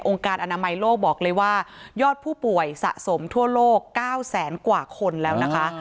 การอนามัยโลกบอกเลยว่ายอดผู้ป่วยสะสมทั่วโลก๙แสนกว่าคนแล้วนะคะ